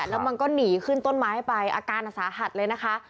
แล้วมันก็หนีขึ้นต้นไม้ไปอาการสาหัสเลยนะคะ